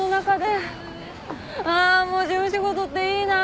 ああもう事務仕事っていいなあ！